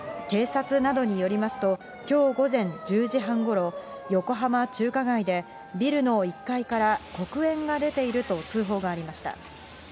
警察などによりますと、きょう午前１０時半ごろ、横浜中華街で、ビルの１階から黒煙が出ていると通報がありました。